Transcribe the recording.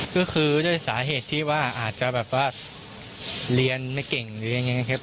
ก็คือด้วยสาเหตุที่ว่าอาจจะแบบว่าเรียนไม่เก่งหรือยังไงครับ